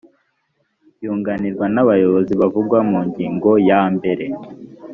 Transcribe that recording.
yunganirwa n abayobozi bavugwa mu ngingo yambere